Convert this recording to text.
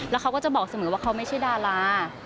แล้วเขาก็จะบอกเสมอว่าเขาไม่ใช่ดารา